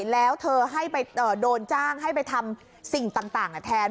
แล้วเธอให้ไปโดนจ้างให้ไปทำสิ่งต่างแทน